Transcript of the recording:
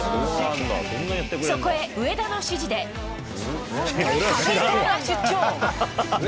そこへ、上田の指示で、カメーターが出張。